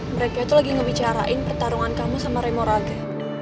mereka itu lagi ngebicarain pertarungan kamu sama remorage